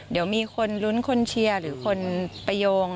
เดี๋ยวมีคนลุ้นคนเชียร์หรือคนไปโยง